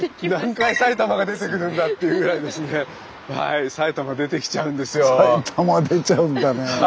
何回「埼玉」が出てくるんだっていうぐらいですね埼玉出てきちゃうんですよ。